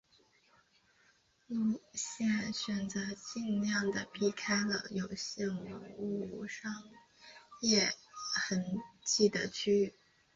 路线选择尽量的避开了有现代文明商业痕迹的区域。